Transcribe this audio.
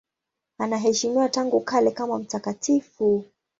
Anaheshimiwa tangu kale kama mtakatifu.